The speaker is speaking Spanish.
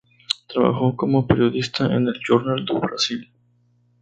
Trabajó como periodista en el "Jornal do Brasil".